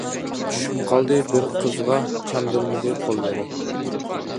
چۈشۈپ قالدى بىر قىزغا، چاندۇرمىدى قوللىرى.